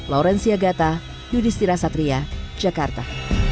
laurencia gata yudhistira satria jakarta